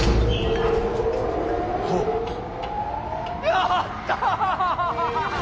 やったー！